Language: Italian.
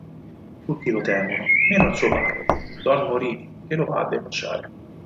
Tutti lo temono, meno il suo parroco, don Morini, che lo va a denunciare.